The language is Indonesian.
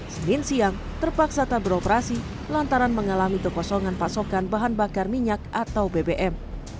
senin siang terpaksa tak beroperasi lantaran mengalami kekosongan pasokan bahan bakar minyak atau bbm